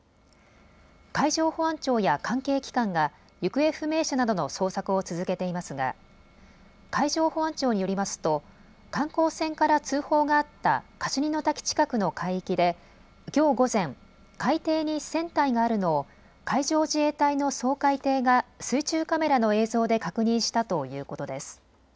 海上保安庁や関係機関が行方不明者などの捜索を続けていますが海上保安庁によりますと観光船から通報があったカシュニの滝近くの海域できょう午前、海底に船体があるのを海上自衛隊の掃海艇が水中カメラの映像で確認したということです。